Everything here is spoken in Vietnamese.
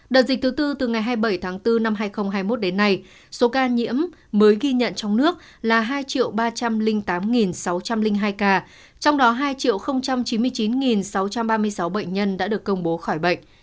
đợt dịch thứ tư từ ngày hai mươi bảy tháng bốn năm hai nghìn hai mươi một đến nay số ca nhiễm mới ghi nhận trong nước là hai ba trăm linh tám sáu trăm linh hai ca trong đó hai chín mươi chín sáu trăm ba mươi sáu bệnh nhân đã được công bố khỏi bệnh